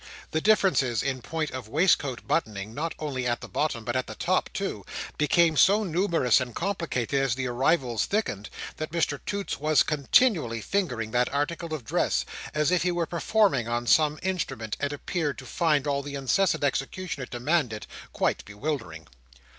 The differences in point of waistcoat buttoning, not only at the bottom, but at the top too, became so numerous and complicated as the arrivals thickened, that Mr Toots was continually fingering that article of dress, as if he were performing on some instrument; and appeared to find the incessant execution it demanded, quite bewildering.